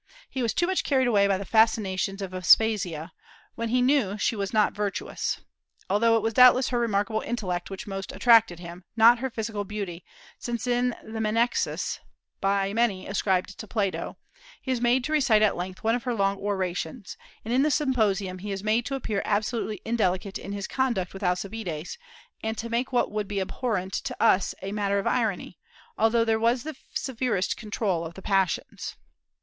He was too much carried away by the fascinations of Aspasia, when he knew that she was not virtuous, although it was doubtless her remarkable intellect which most attracted him, not her physical beauty; since in the "Menexenus" (by many ascribed to Plato) he is made to recite at length one of her long orations, and in the "Symposium" he is made to appear absolutely indelicate in his conduct with Alcibiades, and to make what would be abhorrent to us a matter of irony, although there was the severest control of the passions.